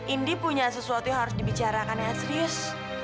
indi punya sesuatu yang harus dibicarakan dengan serius